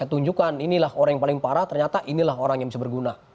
tunjukkan inilah orang yang paling parah ternyata inilah orang yang bisa berguna